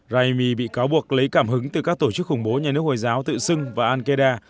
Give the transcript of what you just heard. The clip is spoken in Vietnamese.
raimi bị cáo buộc lấy cảm hứng từ các tổ chức khủng bố nhà nước hồi giáo tự xưng và al qaeda